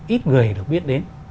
ít người được biết đến